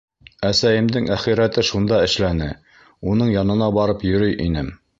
Әсәйемдең әхирәте шунда эшләне, уның янына барып йөрөй инем.